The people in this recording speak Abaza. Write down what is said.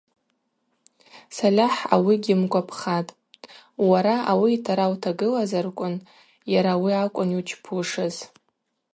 Сальахӏ ауи гьйымгвапхатӏ: – Уара ауи йтара утагылазарквын йара ауи акӏвын йучпушыз.